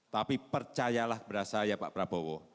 tapi percayalah kepada saya pak prabowo